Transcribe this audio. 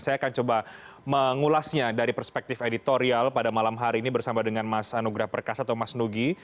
saya akan coba mengulasnya dari perspektif editorial pada malam hari ini bersama dengan mas anugrah perkasa atau mas nugi